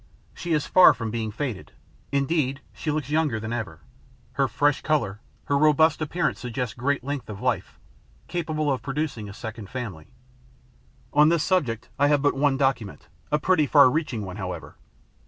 She is far from being faded indeed, she looks younger than ever. Her fresh colour, her robust appearance suggest great length of life, capable of producing a second family. On this subject I have but one document, a pretty far reaching one, however.